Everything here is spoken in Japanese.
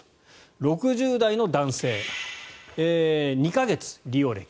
６０代の男性２か月、利用歴。